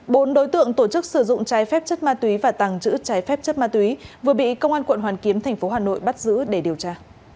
bốn đối tượng tổ chức sử dụng trái phép chất ma túy và tăng trữ trái phép chất ma túy vừa bị công an quận hoàn kiếm tp hcm bắt giữ để điều tra